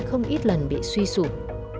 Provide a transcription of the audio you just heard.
không ít lần bị suy sụp